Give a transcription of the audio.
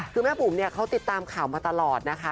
คือแม่บุ๋มเนี่ยเขาติดตามข่าวมาตลอดนะคะ